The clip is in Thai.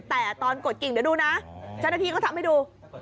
แต่ตอนกดกิ่งเดี๋ยวดูนะเจ้าหน้าที่ก็ทำให้ดู